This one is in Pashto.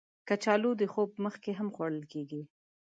کچالو د خوب مخکې هم خوړل کېږي